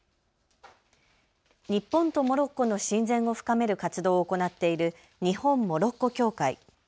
日本とモロッコの親善を深める活動を行っている日本モロッコ協会。